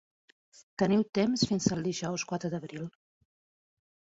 Teniu temps fins al dijous, quatre d'abril.